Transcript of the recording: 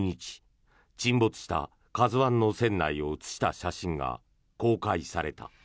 沈没した「ＫＡＺＵ１」の船内を写した写真が公開された。